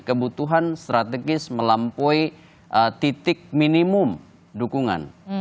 kebutuhan strategis melampaui titik minimum dukungan